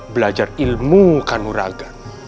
belajar ilmu kanuragan